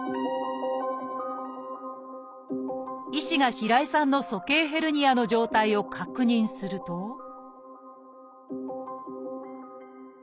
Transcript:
医師が平井さんの鼠径ヘルニアの状態を確認するとえっ？